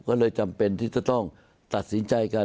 ก็เลยจำเป็นที่จะต้องตัดสินใจกัน